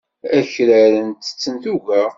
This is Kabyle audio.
Akraren ttetten tuga.